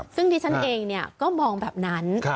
ซึ่งดิฉันเองก็มองแบบนั้น